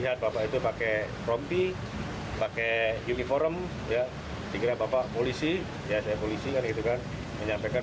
dan tas milik sarkanner hirang